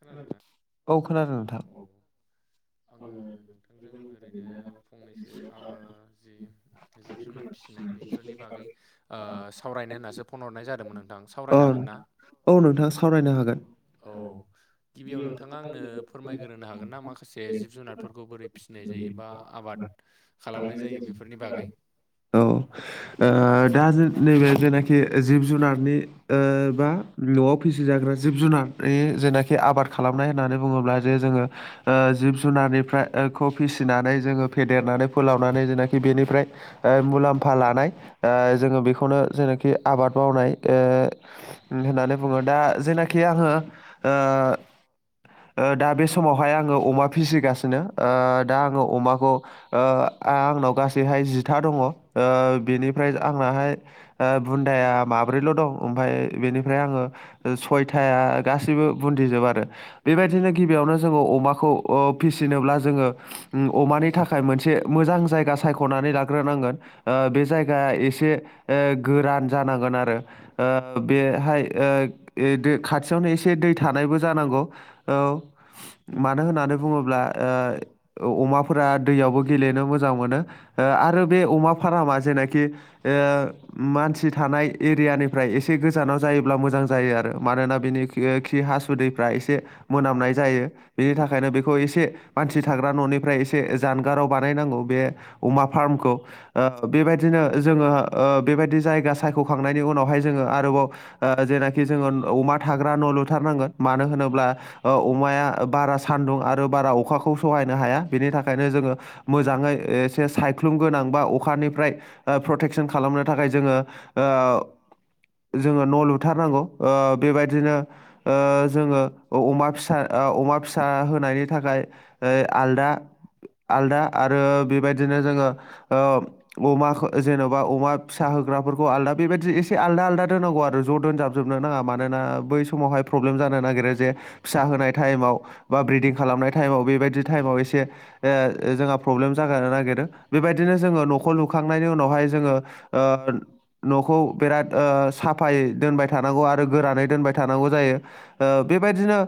खोनादोंना औ खोनादों औ नोंथां। आङो नोंथांजों ओरैनो फंनैसो आ जि जिब जुनार फिसिनाय बेफोरनि बागै ओह सावरायनो होन्नासो फन हरनाय जादोंमोन नोंथां औ सावरायनो हागोन ना? औ नोंथां सावरायनो हागोन। औ गिबियाव नोंथाङा आंनो फोरमायग्रोनो हागोन ना मा खा से जिब जुनारफोरखौ बोरै फिनाय जायो बा आबाद खालामनाय जायो बेफोरनि बागै। औ ओ दा जो नैबे जेनाखि जिब जुनारनि ओ बा न'आव फिसिजाग्रा जिब जुनारनि जेनाखि आबाद खालामनाय होननानै बुङोब्ला जे जोङो ओह जिब जुनारनिफ्राय ओ खौ फिसिनानै जोङो फेदेरनानै फोलावनानै जेनाखि बेनिफ्राय ओ मुलाम्फा लानाय ओ जोङो बेखौनो जेनाखि आबाद मावनाय ओ होननानै बुङो दा जेनाखि आङो ओ ओ दा बे समावहाय आङो अमा फिसिगासिनो ओ दा आङो अमाखौ ओ आंनाव गासैहाय जिथा दङ' ओ बेनिफ्राय आंनाहाय ओ बुन्दाया माब्रैल' दं ओमफाय बेनिफ्राय आङो सयथाया गासैबो बुन्दिजोब आरो बेबायदिनो गिबियावनो जोङो अमाखौ अ फिसिनोब्ला जोङो उम अमानि थाखाय मोनसे मोजां जायगा सायख'नानै लाग्रोनांगोन। ओ बे जायगाया एसे ओ गोरान जानांगोन आरो ओ बेहाय ओ खाथियावनो एसे थे दै थानायबो जानांगौ औ मानो होननानै बुङोब्ला ओ अमाफोरा दैयावबो गेलेनो मोजां मोनो आरो बे अमा फारामा जेनाखि ओ मानसि थानाय एरियानिफ्राय एसे गोजानाव जायोब्ला मोजां जायो आरो मानोना बिनि खि हासुदैफ्रा एसे मोनामनाय जायो बेनि थाखायनो बे खौ एसे मानसि थाग्रा न'निफ्राय एसे जानगाराव बानायनांगौ बे अमा फार्मखौ ओ बेबायदिनो जोङो ओ बेबायदि जायगा सायख'खांनायनि उनावहाय जोङो आरोबाव ओ जेनाखि जोङो अमा थाग्रा न' लुथारनांगोन मानो होनोब्ला अमाया बारा सान्दुं आरो बारा अखाखौ सहायनो हाया बेनि थाखायनो जोङो मोजाङै एसे सायख्लुम गोनां बा अखानिफ्राय ओ प्रटेकसन खालामनो थाखाय जोङो ओ जोङो न' लुथारनांगौ ओ बेबायदिनो ओ जोङो अमा फिसा ओ अमा फिसा होनाय थाखाय ओ आलदा आलदा आरो बेबायदिनो जोङो ओ अमाखौ जेन'बा अमा फिसा होग्राफोरखौ आलदा बेबायदि एस एसे आलदा आलदा दोनांगौ आरो ज' दोनजाब जोबनो नाङा मानोना बै समावहाय प्रब्लेम जानोनागिरो जे फिसा होनाय टाइमाव बा ब्रिदिं खालामनाय टाइमाव बेबायदि टाइमाव एसे ओ जोंहा प्रब्लेम जागानो नागिरो बेबायदिनो जोङो नखौ लुखांनायनि उनावहाय जोङो ओ न'खौ बिराद साफायै दोनबाय थानांगौ आरो गोरानै दोनबाय थानांगौ जायो। ओ बेबायदिनो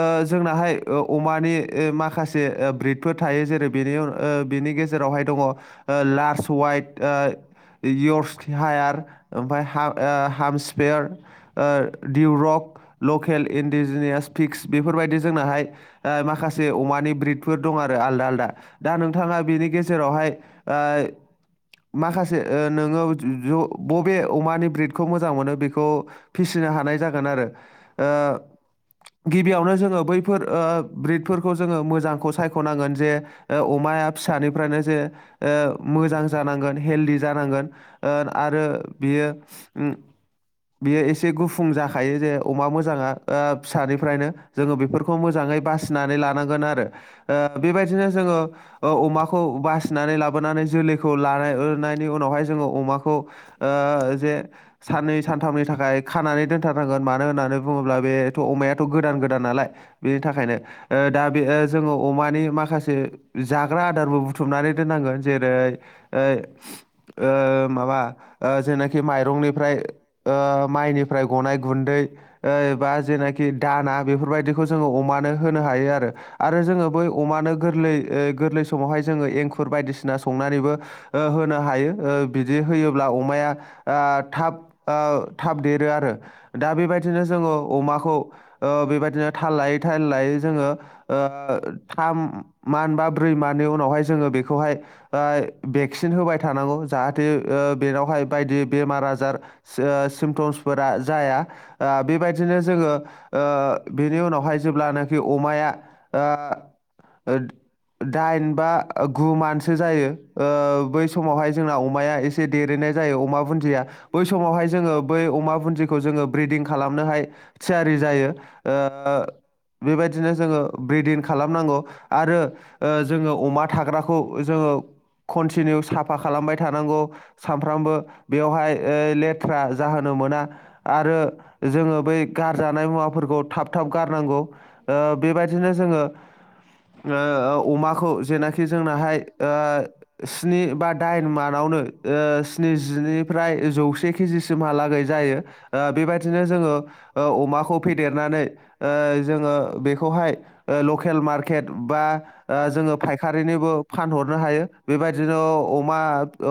ओ जोंनाहाय ओ अमानि ओ माखासे ओ ब्रेदफोर थायो जेरै बेनि ओ बेनि गेजेरावहाय दङ ओ लार्स वाइट ओ इयर्स हायार ओमफाय हा ओ हाम स्पेयार ओ दिउरक लकेल इन्डिजिनियास पिक्स बेफोरबायदि जोंनाहाय ओ माखासे अमानि ब्रिदफोर दं आरो आलदा आलदा दा नोंथाङा बेनि गेजेरावहाय ओइ माखासे ओ नोङो ज बबे अमानि ब्रिदखौ मोजां मोनो बेखौ फिसिनो हानाय जागोन आरो ओ गिबियावनो जोङो बैफोर ओ ब्रिदफोरखौ जोंङो मोजांखौ सायख'नांगोन जे ओ अमाया फिसानिफ्रायनो जे ओ मोजां जानांगोन हेलदि जानांगोन ओ आरो बियो ओ बियो एसे गुफुं जाखायो जे अमा मोजाङा ओ फिसानिफ्रायनो जोङो बेफोरखौ मोजाङै बासिनानै लानांगोन आरो। ओ बेबायदिनो जोङो ओ अमाखौ बासिनानै लाबोनानै जोलैखौ लानाय नायनि उनावहाय जोङो अमाखौ ओ जे साननै सानथामनि थाखाय खानानै दोनथारनांगोन मानो होननानै बुंङोब्ला बेथ' अमायाथ' गोदान गोदान नालाय। बेनि थाखायनो ओ दा बे ओ जोङो अमानि माखासे जाग्रा आदारबो बुथुमनानै दोननांगोन जेरै ओ ओ माबा ओ जेनाखि माइरंनिफ्राय ओ माइनिफ्राय गनाय गुन्दै ओ बा जेनाखि दाना बेफोरबायदिखौ जोङो अमानो होनो हायो आरो आरो जोङो बै अमानो गोरलै गोरलै समावहाय जोङो एंखुर बायदिसिना संनानैबो ओ होनो हायो ओ बिदि होयोब्ला अमाया ओह थाब ओ थाब देरो आरो दा बेबायदिनो जोङो अमाखौ बेबायदिनो थाल लायै थाल लायै जोङो ओ थाम मान बा ब्रै मनि उनावहाय जोङो बेखौहाय ओ भेक्सिन होबाय थानांगौ जाहाथे बेनावहाय बायदि बेमार आजार ओ सिमटम्सफोरा जाया। ओ बेबायदिनो जोङो ओ बेनि उनावहाय जेब्लानो बि अमाया ओ ओ दाइन बा गु मानसो जायो ओ बै समावहाय जोंना अमाया एसे से देरैनाय जायो अमा बुन्दिया बै समावहाय जोङो बै अमा बुन्दिखौ जोङो ब्रिदिं खालामनोहाय थियारि जायो ओ बेबायदिनो जोङो ब्रेदिन खालामनांगौ आरो ओ जोंङो अमा थाग्राखौ जोङो कन्टिनिउ साफा खालामबाय थानांगौ। सानफ्रामबो बेवहाय लेथ्रा जाहोनो मोना। आरो जोंङो बै गारजानाय मुवाफोरखौ थाब थाब गारनांगौ। ओ बेबायदिनो जोङो ओ अमाखौ जेनाखि जोंनाहाय ओ स्नि बा दाइन मानावनो ओ स्निजिनिफ्राय जौसे कि जिसिमहालागै जायो बेबायदिनो जोंङो ओ अमाखौ फेदेरनानै ओ जोङो बेखौहाय लकेल मार्केट बा ओ जोंङो फायखारिनिबो फानहरनो हायो बेबायदिनो अमा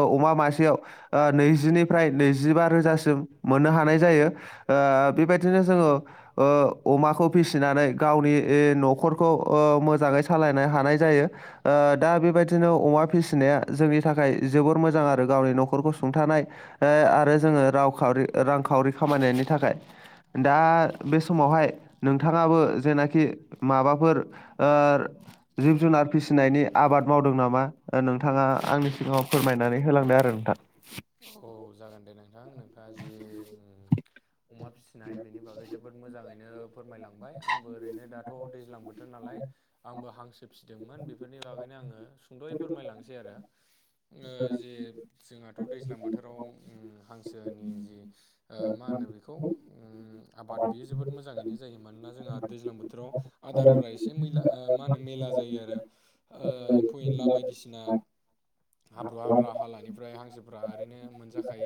अमा मासेयाव ओ नैजिनिफ्राय नैजिबा रोजासिम मोननो हानाय जायो। ओ बेबायदिनो जोङो ओ अमाखौ फिसिनानै गावनि न'खरखौ ओ मोजांङै सालायनो हानाय जायो। ओ दा बेबायदिनो अमा फिसिनाया जोंनि थाखाय जोबोर मोजां आरो गावनि नखरखौ सुंथानाय। आरो जोंङो रावखावरि रांखावरि खामायनायनि थाखाय दा बे समावहाय नोंथांङाबो जेनाखि माबाफोर ओ जिब-जुनार फिसिनायनि आबाद मावदों नामा नोंथांङा आंनि सिगांङाव फोरमायनानै होलांदो आरो नोंथां। औ जागोन दे नोंथां नोंथांङा जि अमा फिसिनाय बेनि बागै जोबोद मोजांङैनो फोरमायलांबाय आंबो ओरैनो दाथ' दैज्लां बोथोर नालाय आंबो हांसो फिदोंमोन बेफोरनि बागैनो आङो सुंद'यै फोरमायलांसै आरो ओ जे जोंहाथ' दैज्लां बोथोराव उम हांसोनि जि ओ मा होनो बेखौ उम आबाद बेयो जोबोद मोजाङैनो जायो मानोना जोंहा दैज्लां बोथोराव। आदारफ्रा एसे मैला ओ मा होनो मेला जायो आरो ओ एम्फौ एनला बायदिसिना हाब्रु हाब्रा हालानिफ्राय हांसो फ्रा ओरैनो मोनजाखा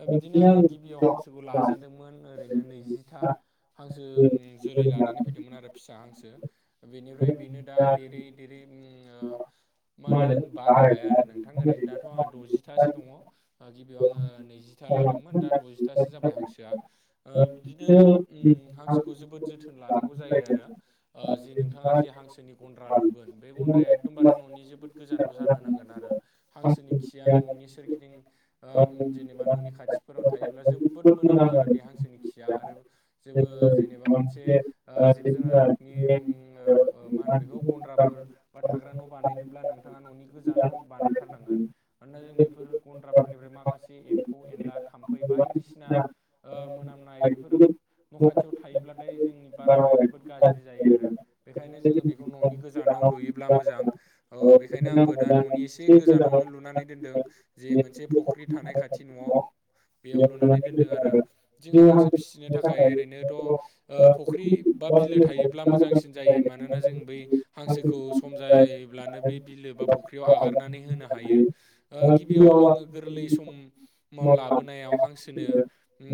ओ बिदिनो आंङो फोरखौ लाजेनदोंमोन ओरैनो नैजिथा हांसो जोलै लानानै फैदोंमोन आरो फिसा हांसो। बेनिफ्राय बेनो दा देरै देरै उम ओ मा होनो बारायबाय आरो नोंथां ओरैनो दाथ आंहा दजिथासो दङ ओ गिबियाव आङो नैजिथा लादोंमोन दा दजिथासो जाबाय हांसोआ ओ बिदिनो उम हांसोखौ जोबोद जोथोन लानांगौ जायो आरो ओ जिनो नोंथाङा जि हांसोनि गन्द्रा लुगोन बे गन्द्राया एकदमबारे ननि जोबोद गोजानाव जानो नांगोन आरो हांसोनि खिया ननि [unintelligible] सोरगिदिं उम जेनेबा ननि खाथिफोराव थायोब्ला जोबोद मोनामो आरो बे हांसोनि थिया आरो जेबो जेनेबा मोनसे ओ जिब जुनारनि उम ङो ओ मा होनो बेखौ गन्द्राफोर बा थाग्रा न बानायनोब्ला नोंथाङा ननि गोजानाव बानायथारनांगोन मानोना जों बे बेफोर गन्द्राफोरनिफ्राय माखासे एम्फौ एनला थाम्फै बायदिसिना ओ मोनामनाय बेफोरो न खाथियाव थायोब्लाथाय जोंनि बारहावाया जोबोद गाज्रि जायो आरो। बेखायनो जोङो बेखौ न'नि गोजानाव लुयोब्ला मोजां ओ बेखायनो आंबो दा ननि एसे गोजानावनो लुनानै दोनदों। जे मोनसे फख्रि थानाय खाथि न'आव बेयाव लुनानै दोनदों आरो जोङो हांसो फिसिनो थाखाय ओरैनोथ ओ फुख्रि बा बिलो थायोब्ला मोजांसिन जायो मानोना जों बै हांसोखौ सम जायोब्लानो बे बिलो बा फुख्रियाव आगारनानै होनो हायो ओ गिबियाव आङो गोरलै समाव लाबोनायाव हांसोनो ओम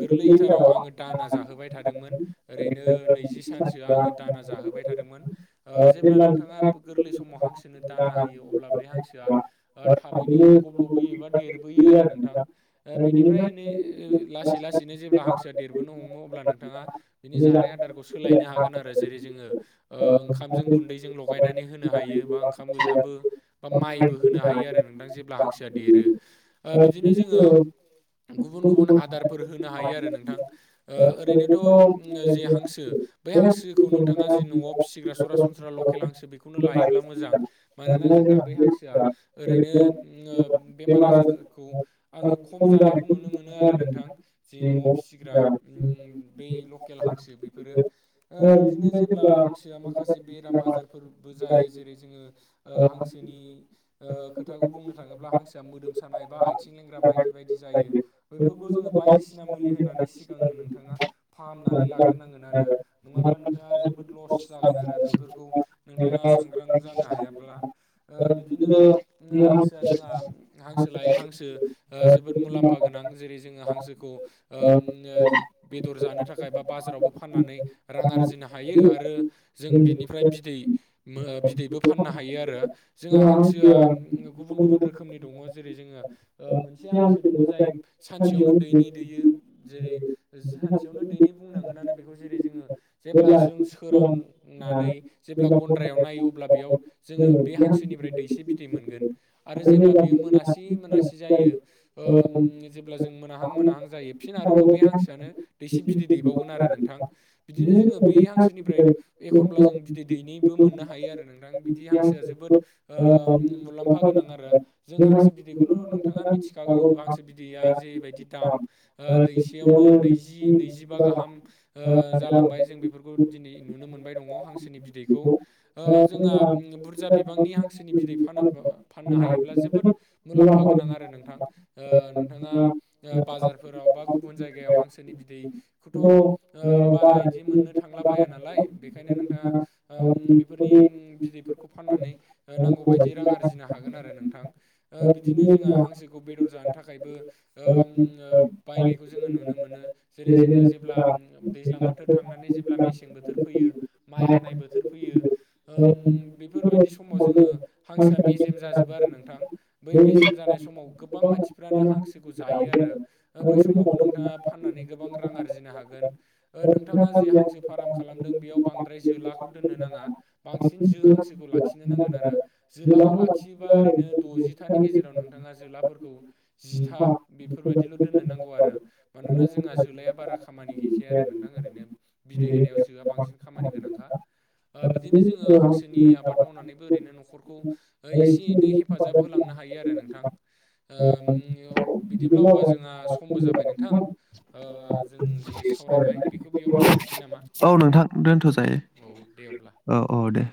गोरलैथाराव आङो दाना जाहोबाय थादोंमोन। ओरैनो नैजि सानसो आङो दाना जाहोबाय थादोंमोन ओ जेब्ला नोंथाङा गोरलै समाव हांसोनो दाना होयो अब्ला बै हांसोआ ओ था बैनो गब्लबबोयोबा देरबोयो आरो नों थां ओ-बेनिफ्रायै नो-लासै लासैनो जेब्ला हांसोआ देरबोनो हमो अब्ला नोंथाङा बिनि जानाय आदारखौ सोलायनो हागोन आरो जेरै जोङो ओ ओंखामजों गुन्दैजों लगायनानै होनो हायो बा ओंखाम गोजाबो बा माइबो होनो हायो आरो नोंथां जेब्ला हांसोआ देरो ओ बिदिनो जोङो गुबुन गुबुन आदारफोर होनो हायो आरो नोंथां ओ ओरैनोथ ओम जे हांसो बै हांसोखौ नोंथाङा जि न'आव फिसिग्रा सरासनस्रा लकेल हांसो बेखौनो लायोब्ला मोजां मानोना जोंहा बै हांसोआ ओरैनो ओ बेमार आजारखौ आङो खम जानायखौ नुनो मोनो आरो नोंथां। जे न'आव फिसिग्रा ओम बै लकेल हांसो बेफोरो ओ बिदिनो जेब्ला हांसोआ माखासे बेराम आजारफोरबो जायो जेरै जोङो ओ हांसोनि ओ खोथाखौ बुंनो थाङोब्ला हांसोआ मोदोम सानाय बा आथिं लेंग्रा बायदि बायदि जायो बैफोरखौ जोङो बायदिसिना मुलि होनानै सिगाङो नोंथाङा फाहामनानै लाग्रोनांगोन आरो नङाब्ला नोंथाङा जोबोद लस जागोन आरो बेफोरखौ नोंथाङा सांग्रां जानो हायाब्ला ओ बिदिनो ओ नों हास दा जोंहा हांसो लायै हांसो ओ जोबोद मुलाम्फा गोनां जेरै जोङो हांसोखौ ओम ओ बेदर जानो थाखाय बा बाजारावबो फाननानै रां आरजिनो हायो आरो जों बिनिफ्राय बिदै मो-ओ-बिदैबो फाननो हायो आरो जोंहा हांसोआ गुबुन गुबुन रोखोमनि दङ जेरै जोङो ओ मोनसे हांसो दङ जाय सानसेयावनो दैैनै दैयो जेरै ओ सानसेयावनो दैनि बुंनांगोनानो बेखौ जेरै जोङो जेब्ला जों सोरांनानै जेब्ला गन्द्रायाव नायो अब्ला बेयाव जोङो बे हांसोनिफ्राय दैसे बिदै मोनगोन। आरो जेब्ला बियो मोनासि मोनासि जायो ओ जेब्ला जों मोनाहां मोनाहां जायो फिन आरोबाव बै हांसोआनो दैसे बिदै दैबावगोन आरो नोंथां। बिदिनो जोङो बे हांसोनिफ्राय एखनब्ला जों बिदै दैनै। बो मोननो हायो आरो नोंथां बिदि हांसोया जोबोद ओ मु लामफा गोनां आरो जों हांसो बिदै खुनु नोंथाङा मिथिखागौ हांसो बिदैया जेबायदि दाम। ओ दैसेयावनो नैजि नैजिबा गाहाम ओ जालांबाय जों बेफोरखौ दिनै नुनो मोनबाय दङ हांसोनि बिदैखौ। ओ जोंहा ओम बुरजा बिबांनि हांसोनि बिदै फानोबा फाननो हायोब्ला जोबोद मुलाम्फा गोनां आरो नोंथां ओ नोंथाङा ओ बाजारफोराव बा गुबुन जायगायाव हांसोनि बिदैखौथ ओ बारा इदि मोननो था थांला बाया नालाय बेखायनो नोंथाङा ओम ओ बेफोरनि बिदैफोरखौ फाननानै ओ नांगौ बायदि रां आरजिनो हागोन आरो नोंथां ओ बिदिनो जोंहा हांसो खौ बेदर जानो थाखायबो उम ओ बायनायखौ जोङो नुनो मोनो। जेरै जोङो जेब्ला दैज्लां बोथोर थांनानै जिब ब्ला मेसें बोथोर फैयो माइ हानाय बोथोर फैयो ओम बेफोरबायदि समाव जोङो हांसोआ मेजेम जाजोबो आरो नोंथां। बै मेजेम जानाय समाव गोबां मानसि फ्रानो हांसोखौ जायो आरो बै समावबो नोंथाङा फाननानै गोबां रां आरजिनो हागोन। ओ नोंथाङा जि हांसो फाराम खालामदों बेयाव बांद्राय जोलाखौ दोननो नाङा। बांसिन जो हांसोखौ लाखिनो नांगोन आरो जोलाखौ लाखियोबा ओरैनो दजिथानि गेजेराव नोंथाङा जोलाफोरखौ जिथा बेफोरबायदिल दोननो नांगौ आरो। मानोना जोंहा जोलाया बारा खामानि गैखाया आरो नोंथां ओरैनो बिदै होनायाव जोआ बांसिन खामानि गोनांखा ओ बिदिनो जोङो सोनि आबाद मावनानैबो ओरैनो नख होलांनो हायो आरो नोंथां [unintelligible] ओ बिदिब्ला अब्ला जोंहा समबो जाबाय [unintelligible] नोंथां ओ जों जि सावरायबाय बेखौ बेयावनो [unintelligible] दोनथ'नोसै नामा औ नोंथां दोनथजायो औ दे अब्ला औ औ दे